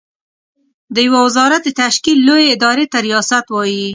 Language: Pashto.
د يوه وزارت د تشکيل لويې ادارې ته ریاست وايې.